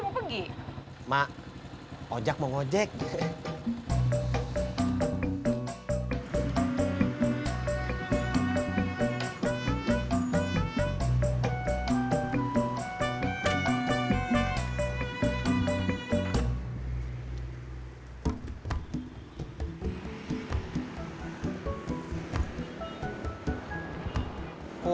kamu mau mau jalan después